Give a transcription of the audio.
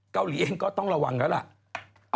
เกาหลีเองก็ต้องระวังแล้วล่ะ